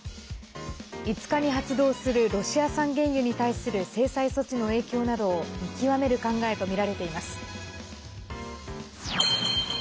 ５日に発動するロシア産原油に対する制裁措置の影響などを見極める考えとみられています。